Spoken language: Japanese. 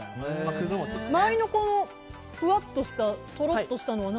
周りのふわっととろっとしたものは？